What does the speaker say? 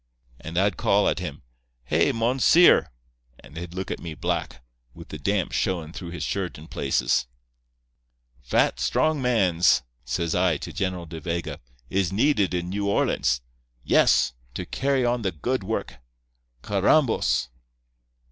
And I'd call at him 'Hey, monseer!' and he'd look at me black, with the damp showin' through his shirt in places. "'Fat, strong mans,' says I to General De Vega, 'is needed in New Orleans. Yes. To carry on the good work. Carrambos!